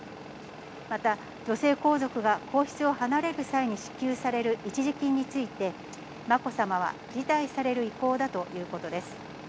また女性皇族が皇室を離れる際に支給される一時金について、まこさまは辞退される意向だということです。